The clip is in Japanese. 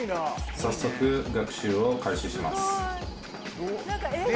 早速、学習を開始します。